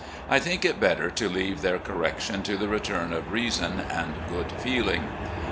I think it better to leave their correction to the return of reason and good feeling.